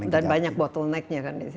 dan banyak bottleneck nya kan disini